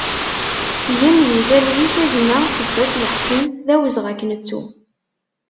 Gen di talwit a gma Sebbas Laḥsen, d awezɣi ad k-nettu!